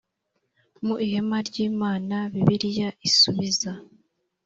Mu Ihema Ry Imana Bibiliya Isubiza